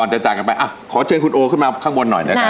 จากกันไปขอเชื่อคุณโอขึ้นมาข้างบนหน่อย